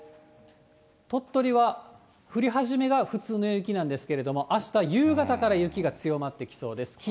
鳥取は降りはじめが普通の雪なんですけれども、あした夕方から雪が強まってきそうです。